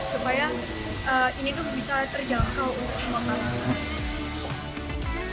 supaya ini bisa terjangkau untuk semangat